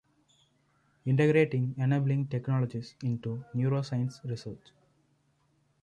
Integrating Enabling Technologies Into Neuroscience Research.